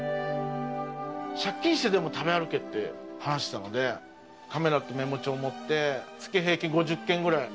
借金してでも食べ歩けって話していたのでカメラとメモ帳持って月平均５０軒ぐらい。